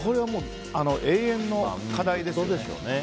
これは永遠の課題ですよね。